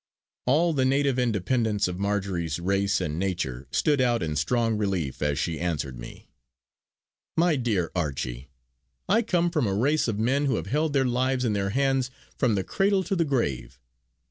All the native independence of Marjory's race and nature stood out in strong relief as she answered me: "My dear Archie, I come from a race of men who have held their lives in their hands from the cradle to the grave.